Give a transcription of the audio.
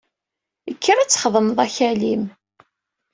Kker ad txedmeḍ akal-im!